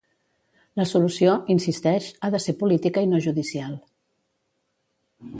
La solució, insisteix, ha de ser política i no judicial.